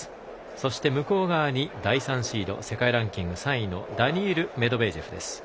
そして、向こう側に第３シード世界ランキング３位のダニール・メドベージェフです。